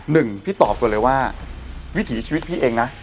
หนึ่งพี่ตอบก่อนเลยว่าวิถีชีวิตพี่เองนะ